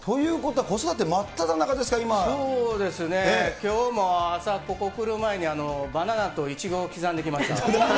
きょうも朝、ここ来る前にバナナとイチゴを刻んできました。